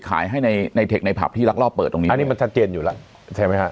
ขายให้ในในเทคในผับที่รักรอบเปิดตรงนี้อันนี้มันชัดเจนอยู่แล้วใช่ไหมฮะ